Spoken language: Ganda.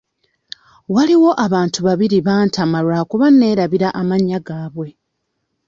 Waliwo abantu babiri bantama lwakuba neerabira amannya gaabwe.